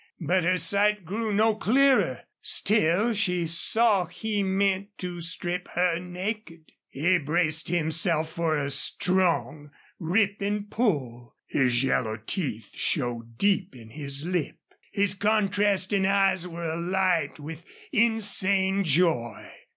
But her sight grew no clearer. Still she saw he meant to strip her naked. He braced himself for a strong, ripping pull. His yellow teeth showed deep in his lip. His contrasting eyes were alight with insane joy.